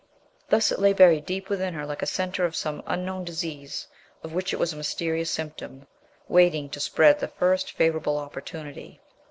Thus it lay buried deep within her like a center of some unknown disease of which it was a mysterious symptom, waiting to spread at the first favorable opportunity.